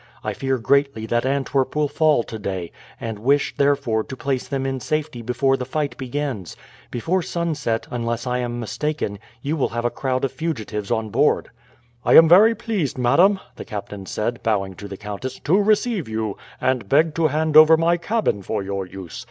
I fear greatly that Antwerp will fall today, and wish, therefore, to place them in safety before the fight begins. Before sunset, unless I am mistaken, you will have a crowd of fugitives on board." "I am very pleased, madam," the captain said, bowing to the countess, "to receive you, and beg to hand over my cabin for your use.